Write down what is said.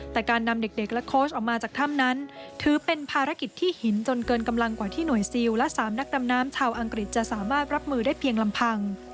แต่การนำเด็กและโค้ชออกมาจากถ้ำนั้นถือเป็นภารกิจที่หินจนเกินกำลังกว่าที่หน่วยซิลและ๓นักดำน้ำชาวอังกฤษจะสามารถรับมือได้เพียงลำพัง